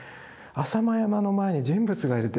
浅間山の前に人物がいるって